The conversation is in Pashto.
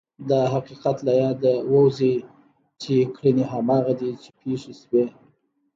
دا حقیقت له یاده ووځي چې کړنې هماغه دي چې پېښې شوې.